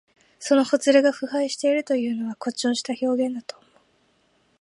そのほつれが腐敗しているというのは、誇張した表現だと思う。